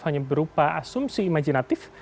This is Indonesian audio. hanya berupa asumsi imajinatif